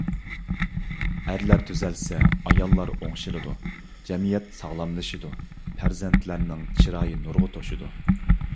ئەرلەر تۈزەلسە ئاياللار ئوڭشىلىدۇ، جەمئىيەت ساغلاملىشىدۇ، پەرزەنتلەرنىڭ چىرايى نۇرغا توشىدۇ.